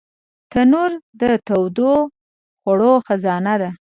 تنور د تودو خوړو خزانه ده